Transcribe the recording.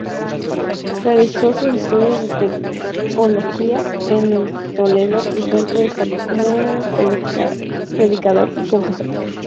Realizó sus estudios de teología en Toledo y pronto destacó como predicador y confesor.